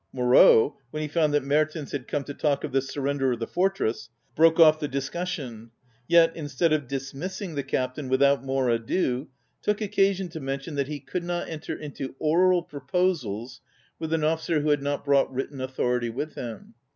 Moreau, when he found that Hertens had come to talk of the surrender of the fortress, broke off the discussion; yet, instead of dis missing the captain without more ado, took occasion to mention that he could not enter into oral proposals with an officer who had not brought written authority with him.